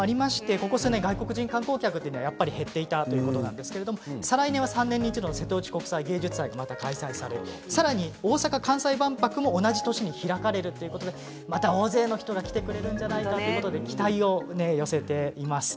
ここ数年、外国人観光客が減っていたということなんですが再来年は３年に一度の瀬戸内国際芸術祭さらに、大阪関西万博が同じ年に開かれるということで大勢の方が来てくれるんじゃないかと期待を寄せています。